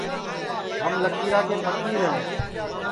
ہم لکیرا کے پھکیر ہے